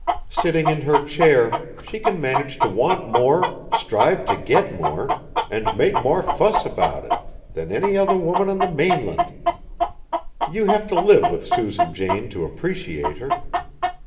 Sitting in her chair, she can manage to want more, strive to get more, and make more fuss about it, than any other woman on the mainland. You have to live with Susan Jane to appreciate her.